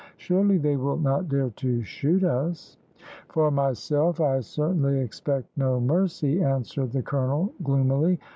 "Surely they will not dare to shoot us!" "For myself I certainly expect no mercy," answered the colonel, gloomily.